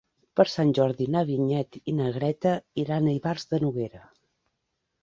Per Sant Jordi na Vinyet i na Greta iran a Ivars de Noguera.